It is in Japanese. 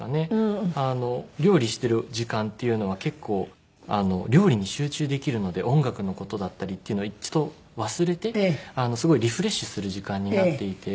料理してる時間っていうのは結構あの料理に集中できるので音楽の事だったりっていうのは一度忘れてすごいリフレッシュする時間になっていて。